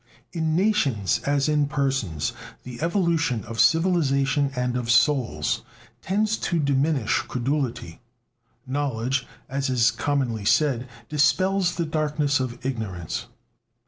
In nations as in persons, the evolution of civilization and of souls tends to diminish credulity; knowledge, as is commonly said, dispels the darkness of ignorance.